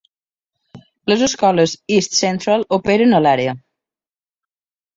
Les escoles East Central operen a l'àrea.